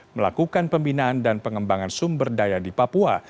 melakukan pembinaan dan pengembangan sumber daya di papua